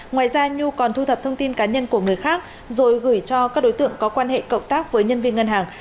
ngoài ra nhu còn thu thập thông tin cá nhân của người khác rồi gửi cho các đối tượng có quan hệ cộng tác với nhân viên ngân hàng